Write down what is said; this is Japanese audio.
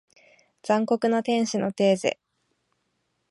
残酷な天使のテーゼ